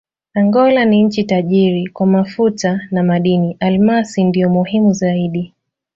Angola ni nchi tajiri kwa mafuta na madini: almasi ndiyo muhimu zaidi.